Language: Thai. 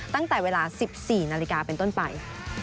ตั้งแต่เวลา๑๔นาฬิกาเป็นต้นไป